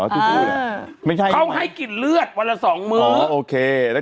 เขาให้กินเลือดวันละสองมื้อ